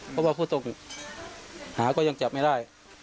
เพราะว่าผู้ตกหาก็ยังจับไม่ได้